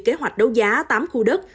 kế hoạch đấu giá tám khu đất